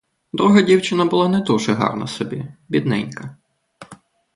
Друга дівчина була не дуже гарна собі, бідненька.